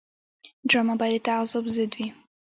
ډرامه باید د تعصب ضد وي